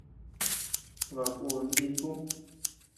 Baʼa kun niku.